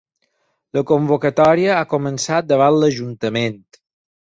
La convocatòria ha començat davant l’ajuntament.